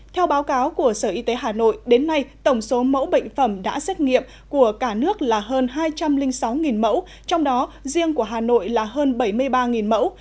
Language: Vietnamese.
theo báo cáo của sở y tế hà nội đến nay tổng số mẫu bệnh phẩm đã xét nghiệm của cả nước là hơn hai trăm linh sáu mẫu trong đó riêng của hà nội là hơn bảy mươi ba mẫu